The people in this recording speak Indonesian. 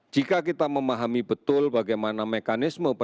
jika kita memahami betul bagaimana mekanisme